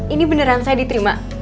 ini beneran saya diterima